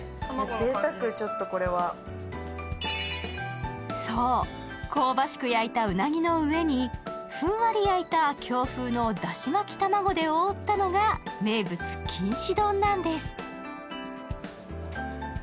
贅沢ちょっとこれはそう香ばしく焼いたうなぎの上にふんわり焼いた京風のだし巻き卵で覆ったのが名物きんし丼なんです